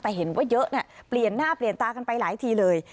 แต่เห็นว่าเยอะเปลี่ยนหน้าเปลี่ยนตากันไปหลายทีเลย